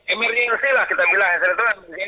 emirnya yang silah kita bilang